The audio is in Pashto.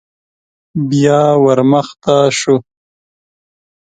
بيا ور مخته شو.